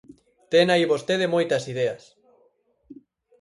Ten aí vostede moitas ideas.